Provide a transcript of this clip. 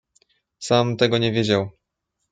"sam tego nie wiedział."